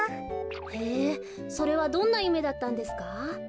へえそれはどんなゆめだったんですか？